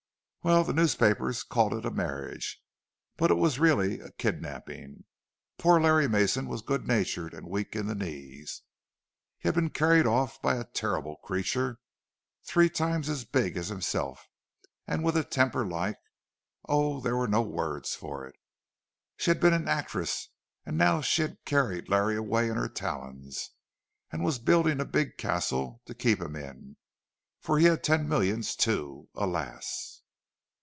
Well, the newspapers called it a marriage, but it was really a kidnapping. Poor Larry Mason was good natured and weak in the knees, and he had been carried off by a terrible creature, three times as big as himself, and with a temper like—oh, there were no words for it! She had been an actress; and now she had carried Larry away in her talons, and was building a big castle to keep him in—for he had ten millions too, alas!